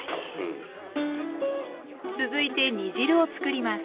続いて煮汁をつくります。